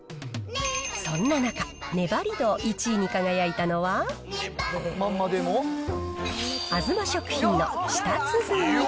そんな中、粘り度１位に輝いたのは、あづま食品の舌鼓。